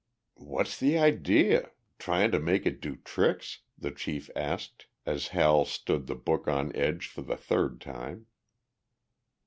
"What's the idea? Tryin' to make it do tricks?" the chief asked as Hal stood the book on edge for the third time.